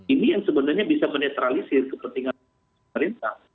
ini yang sebenarnya bisa menetralisir kepentingan pemerintah